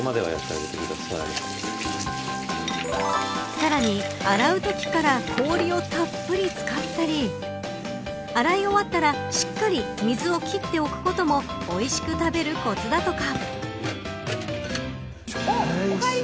さらに、洗うときから氷をたっぷり使ったり洗い終わったら、しっかり水を切っておくこともおいしく食べるこつだとか。